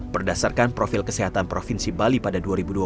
berdasarkan profil kesehatan provinsi bali pada dua ribu dua puluh